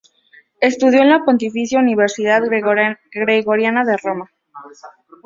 Estudió en la Pontificia Universidad Gregoriana de Roma.